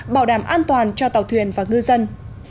bảo đảm an toàn cho tàu thuyền và ngư dân